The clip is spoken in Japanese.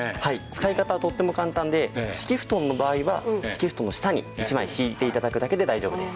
使い方はとっても簡単で敷布団の場合は敷布団の下に１枚敷いて頂くだけで大丈夫です。